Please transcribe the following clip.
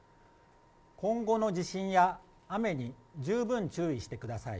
今後の地震や雨に十分注意してください。